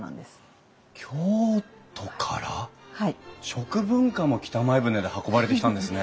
食文化も北前船で運ばれてきたんですね。